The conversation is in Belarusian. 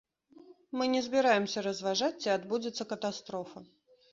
Мы не збіраемся разважаць, ці адбудзецца катастрофа.